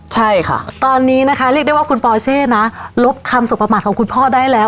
ใช่ค่ะตอนนี้นะคะเรียกได้ว่าคุณปอเช่นะลบคำสุขประมาทของคุณพ่อได้แล้ว